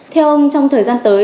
theo ông trong thời gian tới